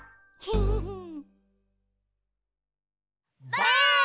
ばあっ！